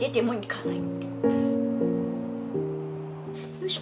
よいしょ。